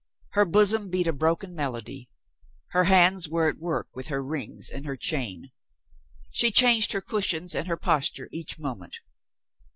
Her bosom beat a broken melody. Her hands were at work with her rings and her chain. She changed her cushions and her posture each moment.